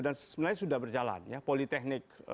dan sebenarnya sudah berjalan ya politeknik